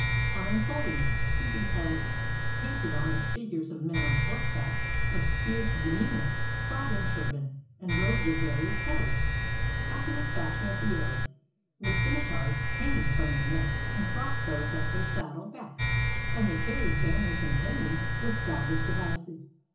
On unfolding it, he beheld painted on it figures of men on horseback, of fierce demeanor, clad in turbans and robes of various colors, after the fashion of the Arabs, with scimitars hanging from their necks, and crossbows at their saddle 439 SPAIN backs, and they carried banners and pennons with divers devices.